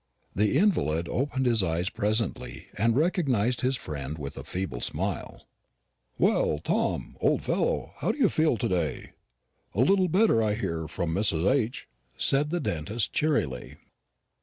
The invalid opened his eyes presently, and recognised his friend with a feeble smile. "Well, Tom, old fellow, how do you feel to day? a little better I hear from Mrs. H.," said the dentist cheerily.